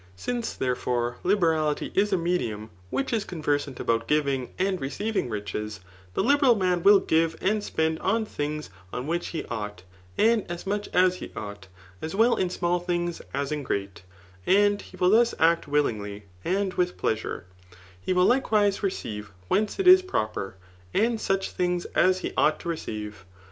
Since, therefore, liberality is a medium which is convert saot aboitt giving and recdving riches, the liberal maa will give and spend on things on which he ought, and as BiQch as he ought, as well in small things as in great j and he will dius act willingly, and with pleasure* He will likewise receive whence it is proper, and such things as he ought to receive.